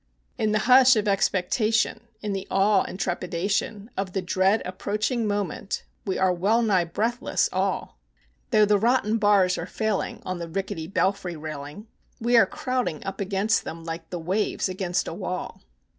In the hush of expectation, in the awe and trepidation Of the dread approaching moment, we are well nigh breathless all; Though the rotten bars are failing on the rickety belfry railing, We are crowding up against them like the waves against a wall.